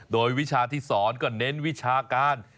โดยวิชาที่สอนก็เน้นวิชาการ